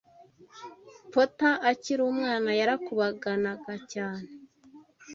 Pota akiri Umwana yarakubaganaga cyane